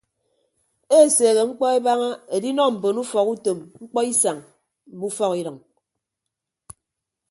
Eseehe mkpọ ebaña edinọ mbon ufọkutom mkpọisañ mme ufọkidʌñ.